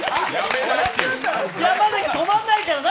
山崎、止まんないから。